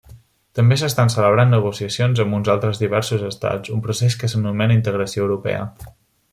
També s'estan celebrant negociacions amb uns altres diversos estats, un procés que s'anomena Integració europea.